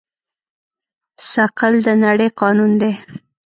ثقل د نړۍ قانون دی.